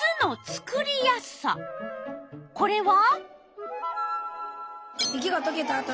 これは？